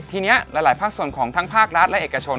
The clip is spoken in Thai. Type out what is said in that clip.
ทีนี้หลายภาคส่วนของทั้งภาครัฐและเอกชน